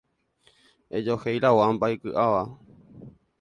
Ejohéi la guampa iky'áva.